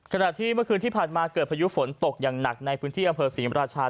ขณะที่เมื่อคืนที่ผ่านมาเกิดพายุฝนตกอย่างหนักในพื้นที่อำเภอศรีมราชา